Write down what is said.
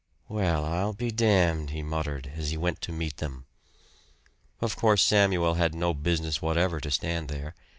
"Well, I'll be damned!" he muttered as he went to meet them. Of course Samuel had no business whatever to stand there.